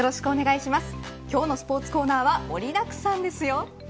今日のスポーツコーナーは盛りだくさんですよ。